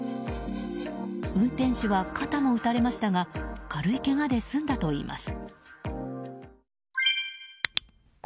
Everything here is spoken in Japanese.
運転手は肩も撃たれましたが軽いけがで済んだといいます。